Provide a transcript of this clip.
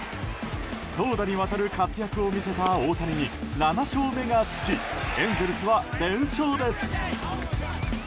投打にわたる活躍を見せた大谷に７勝目が付きエンゼルスは連勝です。